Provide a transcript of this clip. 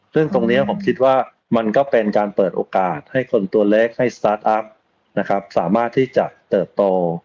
ซึ่งตรงนี้ผมคิดว่ามันก็เป็นการเปิดโอกาสให้คนตัวเล็กให้สตาร์ทอัพสามารถที่จะเติบโต